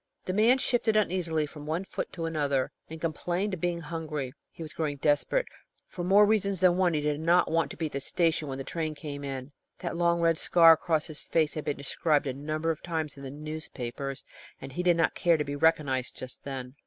The man shifted uneasily from one foot to another, and complained of being hungry. He was growing desperate. For more reasons than one he did not want to be at the station when the train came in. That long red scar across his face had been described a number of times in the newspapers, and he did not care to be recognised just then.